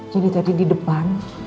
jadi tadi di depan